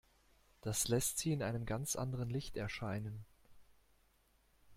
Das lässt sie in einem ganz anderem Licht erscheinen.